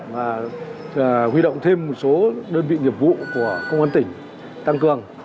và huy động thêm một số đơn vị nghiệp vụ của công an tỉnh tăng cường